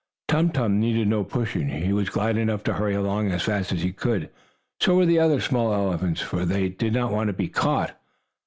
Tum Tum needed no pushing. He was glad enough to hurry along as fast as he could. So were the other small elephants, for they did not want to be caught.